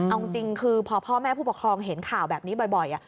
เอาจริงคือพอพ่อแม่ผู้ปกครองเห็นข่าวแบบนี้บ่อย